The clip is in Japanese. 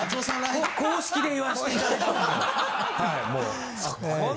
公式で言わせていただいてます。